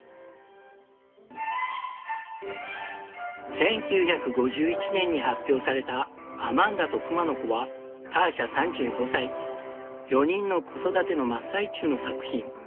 １９５１年に発表された「アマンダとくまの子」はターシャ３５歳４人の子育ての真っ最中の作品。